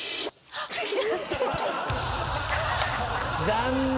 残念！